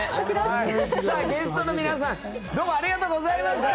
ゲストの皆さんありがとうございました。